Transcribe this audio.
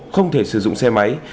không thể sử dụng xe máy